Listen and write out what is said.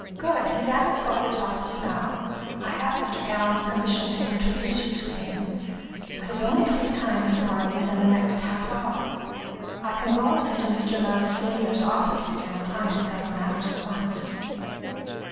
"Good. He's at his father's office now. I have Mr. Gallon's permission to introduce you to him, but his only free time this morning is in the next half hour. I can go with you to Mr. Mellis senior's office, if you're inclined to settle matters at once."